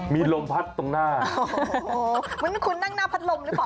มีลมพัดตรงหน้าโอ้โหเหมือนคุณนั่งหน้าพัดลมหรือเปล่า